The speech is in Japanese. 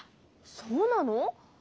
そうなの？